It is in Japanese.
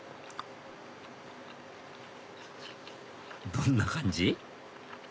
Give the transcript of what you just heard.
どんな感じ？